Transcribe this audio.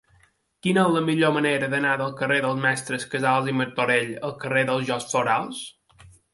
Quina és la millor manera d'anar del carrer dels Mestres Casals i Martorell al carrer dels Jocs Florals?